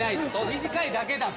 短いだけだと。